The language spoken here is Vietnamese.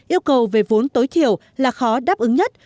yêu cầu về vốn tối thiểu là khó đáp ứng nhất